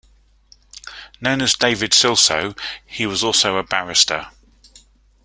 Known as David Silsoe, he was also a barrister.